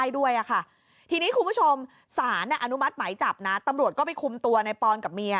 ด้วยอ่ะค่ะทีนี้คุณผู้ชมสารอนุมัติหมายจับนะตำรวจก็ไปคุมตัวในปอนกับเมีย